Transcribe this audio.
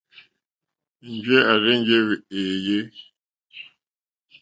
Njɛ̂ à rzênjé èèyé.